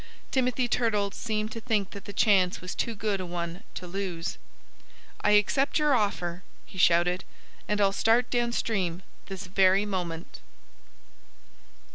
Timothy Turtle seemed to think that the chance was too good a one to lose. "I accept your offer," he shouted. "And I'll start downstream this very moment."